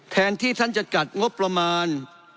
แทนที่ท่านจะจัดงบประมาณ